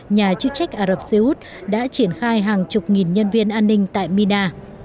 nhà chức trách ả rập xê út đã triển khai hàng chục nghìn nhân viên an ninh tại mina